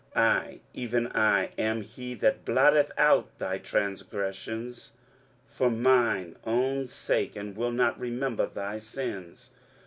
23:043:025 I, even I, am he that blotteth out thy transgressions for mine own sake, and will not remember thy sins.